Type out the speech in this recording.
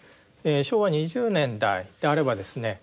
昭和２０年代であればですね